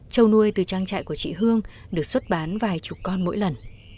trâu nuôi từ trang trại của chị hương được xuất bán vài chục con mỗi lần